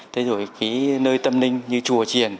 thế rồi cái nơi tâm linh như chùa triền